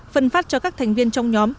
phân phát cho các thành viên trong nhóm